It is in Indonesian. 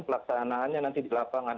pelaksanaannya nanti di lapangan